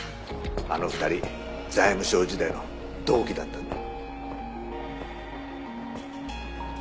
あの２人財務省時代の同期だったんだ。